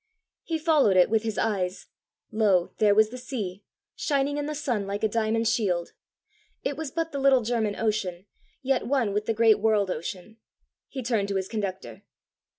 He followed it with his eyes: lo, there was the sea, shining in the sun like a diamond shield! It was but the little German Ocean, yet one with the great world ocean. He turned to his conductor.